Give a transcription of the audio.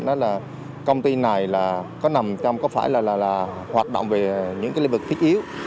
điều này có nằm trong hoạt động về những lĩnh vực thích yếu